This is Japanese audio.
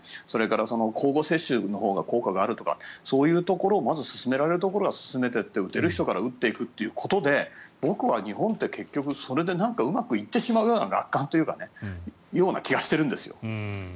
それから交互接種のほうが効果があるとかそういうところをまず進められるところは進めていって、打てる人から打っていくっていうことで僕は日本って結局それでうまくいってしまうような楽観というかそういう気がしているんです。